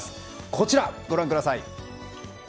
こちらご覧ください。